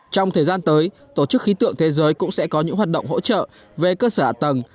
trong thời gian tới tổ chức khí tượng thế giới cũng sẽ có những hoạt động hỗ trợ về cơ sở ả tầng